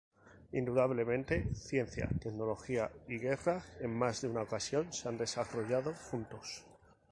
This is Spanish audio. Indudablemente, ciencia, tecnología, y guerra, en más de una ocasión se han desarrollado juntos.